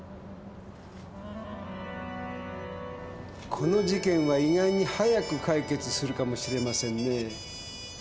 この事件は意外に早く解決するかもしれませんねえ。